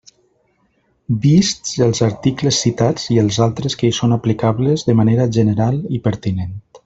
Vists els articles citats i els altres que hi són aplicables de manera general i pertinent.